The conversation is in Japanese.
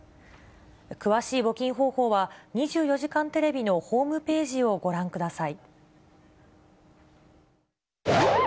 詳しい募金方法は、２４時間テレビのホームページをご覧ください。